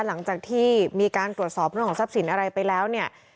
หลังจากที่มีการตรวจสอบเรื่องของทรัพย์สินอะไรไปแล้วเนี่ย